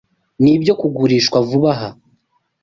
Nibyo kugurishwa vubaha?